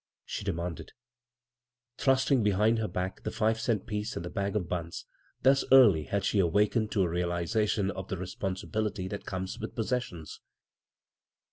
she demanded, thrusting behind her back the five^cnt piece and the bag of buns — thus early had she awakened to a realization of the responsibil ity that comes with possessions.